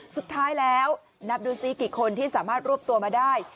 สุดท้ายแล้วนับดูซิกี่คนที่สามารถรวบตัวมาได้